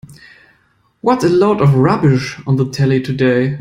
What a load of rubbish on the telly today.